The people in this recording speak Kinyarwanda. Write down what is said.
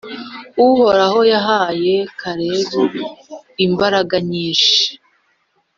Uhoraho yahaye Kalebu imbaraga nyinshi,